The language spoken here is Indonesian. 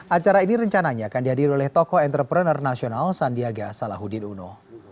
acara ini rencananya akan dihadiri oleh tokoh entrepreneur nasional sandiaga salahuddin uno